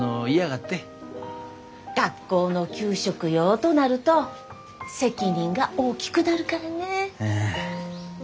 学校の給食用となると責任が大きくなるからねぇ。